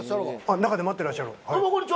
中で待ってらっしゃる？